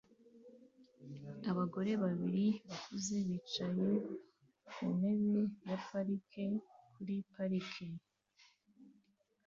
Abagore babiri bakuze bicaye ku ntebe ya parike kuri parike